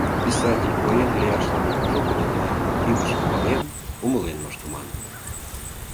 Писатель, поэт лияшлан шуко лудман, илышым пален, умылен моштыман.